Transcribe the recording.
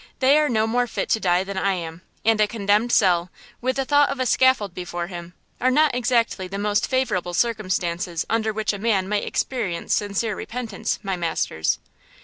They are no more fit to die than I am, and a condemned cell, with the thought of the scaffold before him, are not exactly the most favorable circumstances under which a man might experience sincere repentance, my masters!"